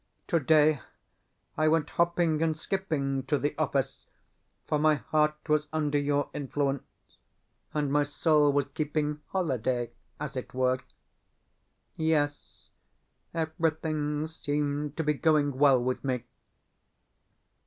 Today I went hopping and skipping to the office, for my heart was under your influence, and my soul was keeping holiday, as it were. Yes, everything seemed to be going well with me.